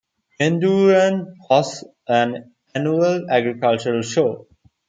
Mendooran hosts an annual agricultural show.